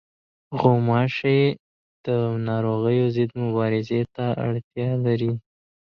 غوماشې د ناروغیو ضد مبارزې ته اړتیا لري.